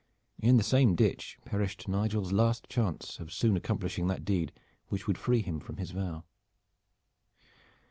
In the same ditch perished Nigel's last chance of soon accomplishing that deed which should free him from his vow.